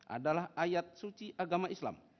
adalah ayat suci agama islam